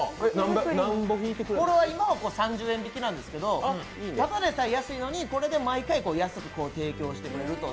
今は３０円引きなんですけど、ただでさえ安いのにこれで更に安く提供してくれると。